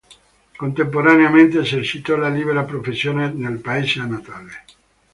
Contemporaneamente esercitò la libera professione nel paese natale.